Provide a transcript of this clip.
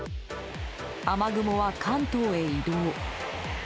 雨雲は関東へ移動。